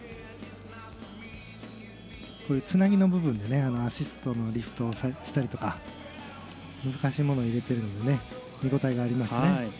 つなぎの部分でアシストのリフトをしたりとか難しいものを入れているので見応えがありますね。